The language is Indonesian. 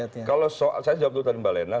jadi ini kalau soal saya jawab tadi mbak lena